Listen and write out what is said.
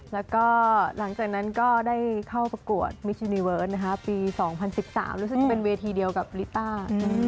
แล้วก็หลังจากนั้นก็ได้เข้าประกวดมิชินีเวิร์ดปี๒๐๑๓รู้สึกจะเป็นเวทีเดียวกับลิต้า